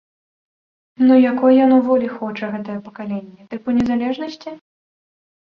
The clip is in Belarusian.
Ну якой яно волі хоча, гэтае пакаленне, тыпу незалежнасці?